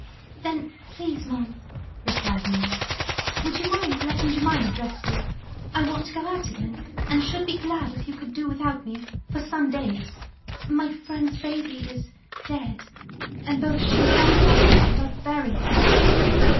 "Then, please, ma'am," replied Mary, "would you mind letting Jemima dress you? I want to go out again, and should be glad if you could do without me for some days. My friend's baby is dead, and both she and her husband are very ill."